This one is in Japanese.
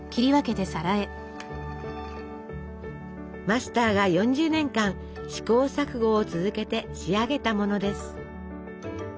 マスターが４０年間試行錯誤を続けて仕上げたものです。